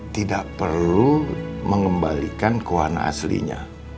tidak perlu mengembalikan ke warna aslinya